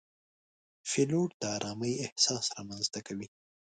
پیلوټ د آرامۍ احساس رامنځته کوي.